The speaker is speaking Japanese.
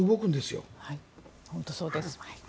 本当にそうです。